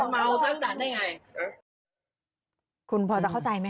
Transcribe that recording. เอ๊ะจะมีอะไรอยู่ในอาการมืนเมาไม่หรือจะยังไง